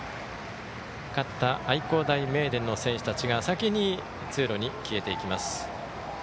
勝った愛工大名電の選手たちが先に通路に消えていきます。